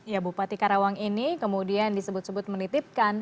ya bupati karawang ini kemudian disebut sebut menitipkan